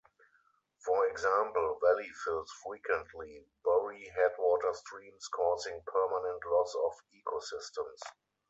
For example, valley fills frequently bury headwater streams causing permanent loss of ecosystems.